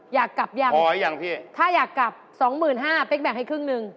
อยากกลับยังถ้าอยากกลับ๒๕๐๐๐บาทเป๊กแบงค์ให้ครึ่งนึง